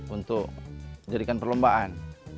untuk menjadikan perlombaan